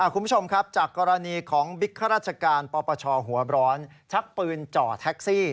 คุณผู้ชมครับจากกรณีของบิ๊กข้าราชการปปชหัวร้อนชักปืนจ่อแท็กซี่